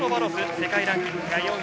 世界ランキング４位。